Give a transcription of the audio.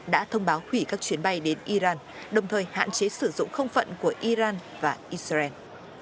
đã thông báo hủy các chuyến bay đến iran đồng thời hạn chế sử dụng không phận của iran và israel